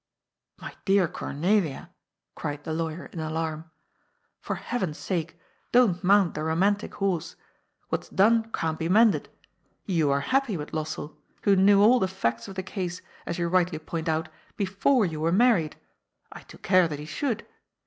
" My dear Cornelia," cried the lawyer in alarm, " for Heaven's sake, don't mount the romantic horse. What's done can't be mended. You are happy with Lossell, who knew all the facts of the case, as you rightly point out, before you were married. I took care that he should.